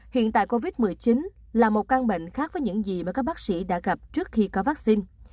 hiện tại covid một mươi chín là một căn bệnh khác với những gì mà các bác sĩ đã gặp trước khi có vaccine